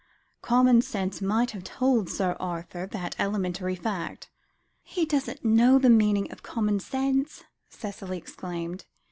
Common sense might have told Sir Arthur that elementary fact." "He doesn't know the meaning of common sense," Cicely exclaimed.